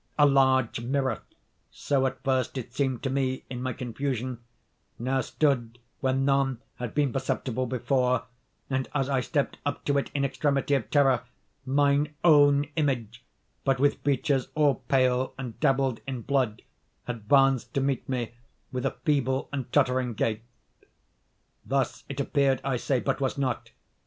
A large mirror,—so at first it seemed to me in my confusion—now stood where none had been perceptible before; and, as I stepped up to it in extremity of terror, mine own image, but with features all pale and dabbled in blood, advanced to meet me with a feeble and tottering gait. Thus it appeared, I say, but was not.